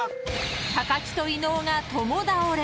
［木と伊野尾が共倒れ］